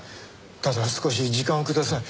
ただ少し時間をください。